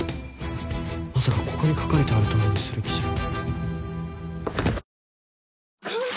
まさかここに書かれてあるとおりにする気じゃ。